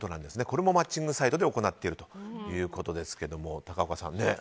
これもマッチングサイトで行うということですが高岡さん、ねえ。